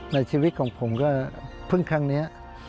ในชีวิตของผมก็เพิ่งครั้งนี้